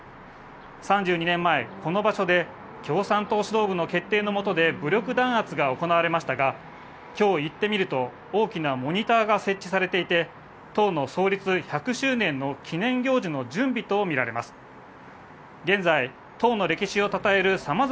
３２年前、この場所で共産党指導部の決定の下で武力弾圧が行われましたが、今日行ってみると大きなモニターが設置されていて、党の創立１００周年の記念行事の準備とみられます。